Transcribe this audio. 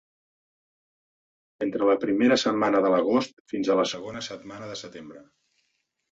Entre la primera setmana de l'agost fins a la segona setmana del setembre.